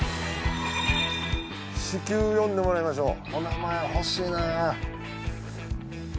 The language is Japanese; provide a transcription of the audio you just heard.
至急呼んでもらいましょうお名前欲しいな。